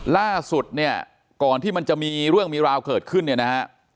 ล่าสุดเนี่ยก่อนที่มันจะมีเรื่องมีราวเกิดขึ้นเนี่ยนะฮะ